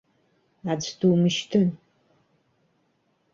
Аӡә думышьҭын!